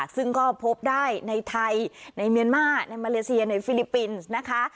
ซึ่งก็พบได้ในไทยในเมียนมาร์ในมาเลเซียในฟิลิปปินส์นะคะ